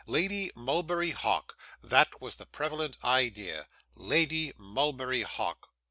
Lady Mulberry Hawk that was the prevalent idea. Lady Mulberry Hawk!